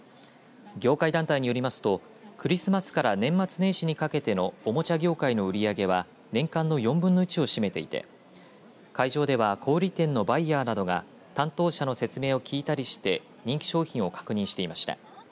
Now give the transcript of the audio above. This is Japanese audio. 業界団体によりますとクリスマスから年末年始にかけてのおもちゃ業界の売り上げは年間の４分の１を占めていて会場では小売店のバイヤーなどが担当者の説明を聞いたりして人気商品を確認していました。